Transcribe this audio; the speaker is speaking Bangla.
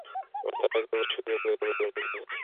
তারা একে অপরের সুখে সুখী হবে এবং একে অপরের দুঃখে দুঃখী হবে।